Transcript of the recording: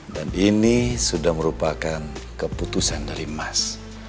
dan ini sudah merupakan keputusan dari mas